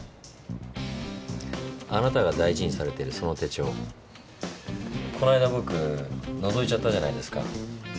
あなたが大事にされてるその手帳こないだ僕のぞいちゃったじゃないですか。